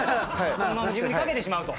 そのまま自分にかけてしまうと。